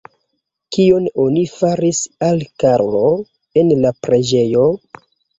Kion oni faris al Karlo en la preĝejo?